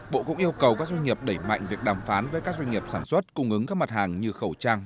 bộ cũng yêu cầu các doanh nghiệp đẩy mạnh việc đàm phán với các doanh nghiệp sản xuất cung ứng các mặt hàng như khẩu trang